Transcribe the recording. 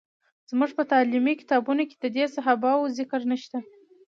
زموږ په تعلیمي کتابونو کې د دې صحابه وو ذکر نشته.